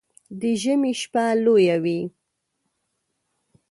د ژمي شپه لويه وي